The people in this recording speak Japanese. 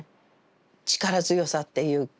力強さっていうか大地